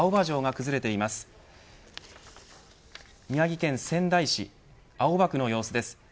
宮城県仙台市青葉区の様子です。